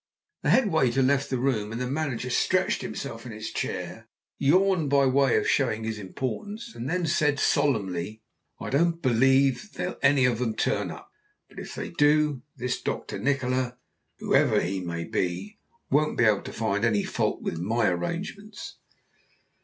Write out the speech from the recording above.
The head waiter left the room, and the manager stretched himself in his chair, yawned by way of showing his importance, and then said solemnly, "I don't believe they'll any of them turn up; but if they do, this Dr. Nikola, whoever he may be, won't be able to find fault with my arrangements."